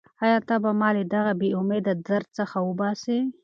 ایا ته به ما له دغه بېامیده درد څخه وباسې؟